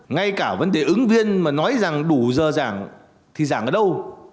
ngay cả vấn đề ứng viên mà nói rằng đủ giờ giảng thì giảng ở đâu